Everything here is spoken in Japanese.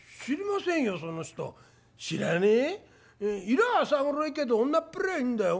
色は浅黒いけど女っぷりはいいんだよ。